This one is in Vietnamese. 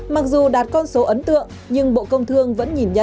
mặc dù đạt con số ấn tượng nhưng bộ công thương vẫn nhìn nhận